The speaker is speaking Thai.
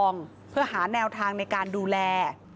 แนวทางในการดูแล